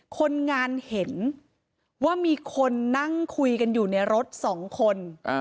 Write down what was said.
คนงานเห็นว่ามีคนนั่งคุยกันอยู่ในรถสองคน